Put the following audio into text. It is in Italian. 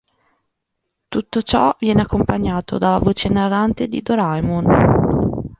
Tutto ciò viene accompagnato dalla voce narrante di Doraemon.